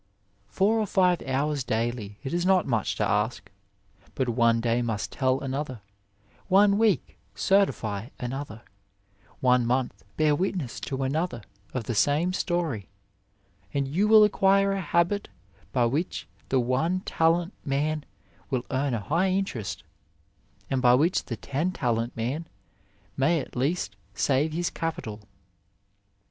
Four or five hours daily it is not much to ask ; but one day must tell another, one week certify another, one month bear witness to another of the same story, and you will acquire a 50 OF LIFE habit by which the one talent man will earn a high interest, and by which the ten talent man may at least save his capital.